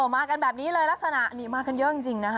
มากันแบบนี้เลยลักษณะนี้มากันเยอะจริงนะคะ